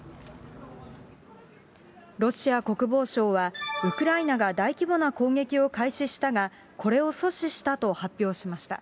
ロシア国防省は、ウクライナが大規模な攻撃を開始したが、これを阻止したと発表しました。